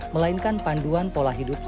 melainkan panduan pola hidupnya